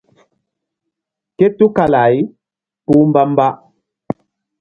Ké tukala-ay kpúh mbamba.